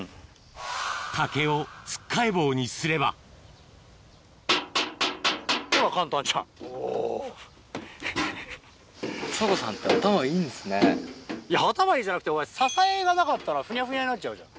竹を突っかえ棒にすれば頭いいじゃなくてお前支えがなかったらフニャフニャになっちゃうじゃん。